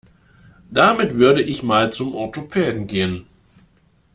Damit würde ich mal zum Orthopäden gehen.